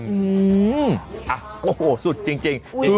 อืมอ่ะโอ้โหสุดจริง